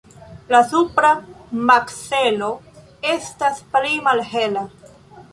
La supra makzelo estas pli malhela.